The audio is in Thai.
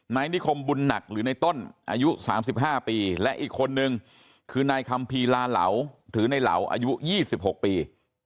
นายนิคมบุญหนักหรือในต้นอายุ๓๕ปีและอีกคนนึงคือนายคัมภีร์ลาเหลาหรือในเหลาอายุ๒๖ปี